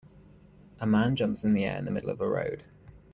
A man jumps in the air in the middle of a road.